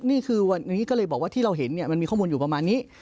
นี่คือวันนี้ก็เลยบอกว่าที่เราเห็นเนี่ยมันมีข้อมูลอยู่ประมาณนี้